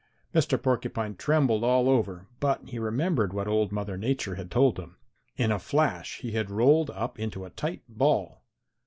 Mr. Porcupine trembled all over, but he remembered what old Mother Nature had told him. In a flash he had rolled up into a tight ball.